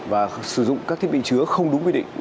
và sử dụng các thiết bị chứa không đúng quy định